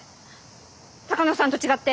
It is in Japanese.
鷹野さんと違って。